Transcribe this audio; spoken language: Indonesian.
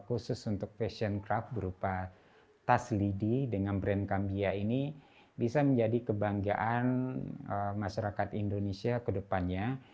khusus untuk fashion craft berupa tas lidi dengan brand kambia ini bisa menjadi kebanggaan masyarakat indonesia ke depannya